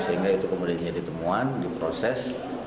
sehingga itu kemudian jadi temuan diproses